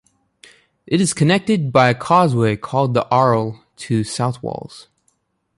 It is connected by a causeway called The Ayre to South Walls.